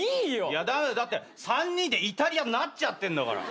だって３人でイタリアになっちゃってんだから。